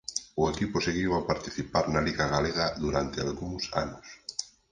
O equipo seguiu a participar na liga galega durante algúns anos.